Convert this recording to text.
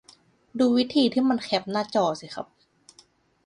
ดูวิธีที่มันแคปหน้าจอสิครับ